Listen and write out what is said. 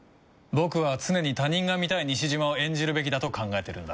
僕は常に他人が見たい西島を演じるべきだと考えてるんだ。